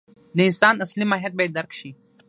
د انسان اصلي ماهیت باید درک شي.